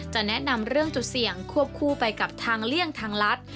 จะแนะนำเรื่องจุดเสี่ยงควบคู่ไปกับทางเลี่ยงทางรัฐ